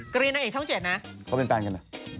กรีนนะเอกช่องเจนนะเขาเป็นแฟนกันเหรอ